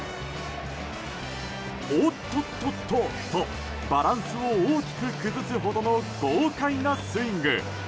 おっとっとっと！とバランスを大きく崩すほどの豪快なスイング。